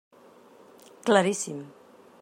Claríssim.